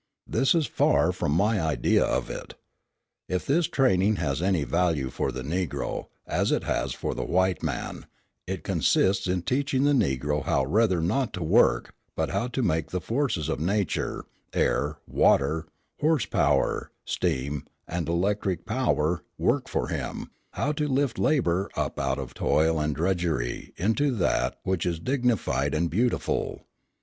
This is far from my idea of it. If this training has any value for the Negro, as it has for the white man, it consists in teaching the Negro how rather not to work, but how to make the forces of nature air, water, horse power, steam, and electric power work for him, how to lift labour up out of toil and drudgery into that which is dignified and beautiful.